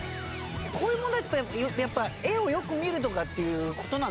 こういう問題は絵をよく見るとかっていう事なんでしょうかね？